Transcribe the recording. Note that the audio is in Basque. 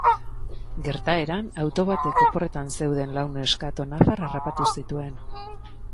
Gertaeran, auto batek oporretan zeuden lau neskato nafar harrapatu zituen.